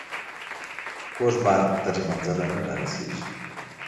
کوږ بار تر منزله نه رارسيږي.